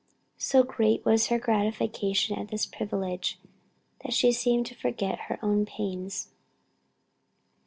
So great was her gratification at this privilege, that she seemed to forget her own pains.